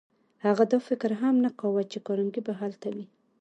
هغه دا فکر هم نه کاوه چې کارنګي به هلته وي.